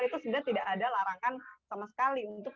itu tidak ada larangan sama sekali untuk